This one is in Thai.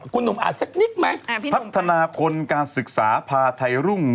คุณหนุ่มอ่านสักนิดไหมพัฒนาพลการศึกษาพาไทยรุ่ง